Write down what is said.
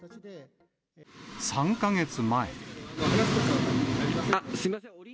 ３か月前。